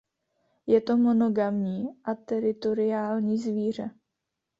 Je to monogamní a teritoriální zvíře.